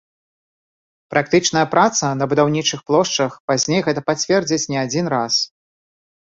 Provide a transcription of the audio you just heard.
Практычная праца на будаўнічых плошчах пазней гэта пацвердзіць не адзін раз.